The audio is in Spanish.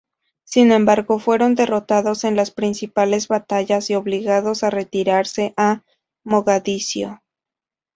Sin embargo, fueron derrotados en las principales batallas y obligados a retirarse a Mogadiscio.